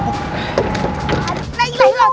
aduh ini lagi loh